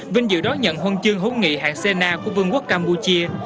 vinh dự đón nhận huân chương hôn nghị hạng sena của vương quốc campuchia